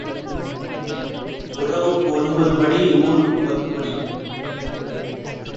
உறவுக்கு ஒன்பது படி ஊருக்குப் பத்துப் படி.